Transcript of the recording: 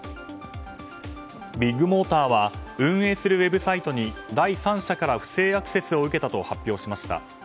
ビッグモーターは運営するウェブサイトに第三者から不正アクセスを受けたと発表しました。